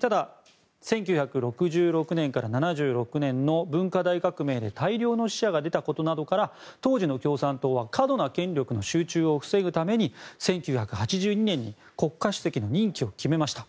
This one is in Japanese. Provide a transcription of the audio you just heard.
ただ１９６６年から７６年の文化大革命で大量の死者が出たことなどから当時の共産党は過度な権力の集中を防ぐために１９８２年に国家主席の任期を決めました。